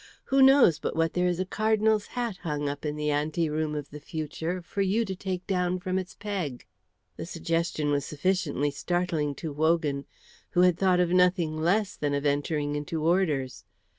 Who knows but what there is a Cardinal's hat hung up in the anteroom of the future for you to take down from its peg?" The suggestion was sufficiently startling to Wogan, who had thought of nothing less than of entering into orders.